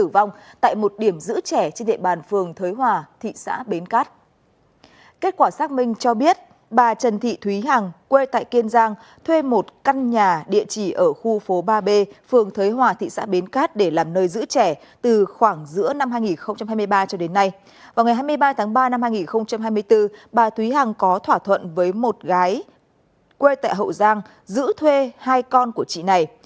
vào ngày hai mươi ba tháng ba năm hai nghìn hai mươi bốn bà thúy hằng có thỏa thuận với một gái quê tại hậu giang giữ thuê hai con của chị này